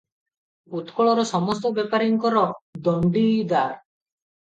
ଉତ୍କଳର ସମସ୍ତ ବେପରୀଙ୍କର ଦଣ୍ଡିଦାର ।